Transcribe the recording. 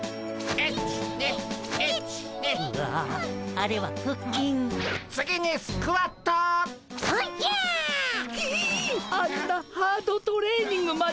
あんなハードトレーニングまで！？